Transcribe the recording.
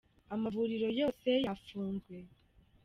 Amavuriro yose yafunzwe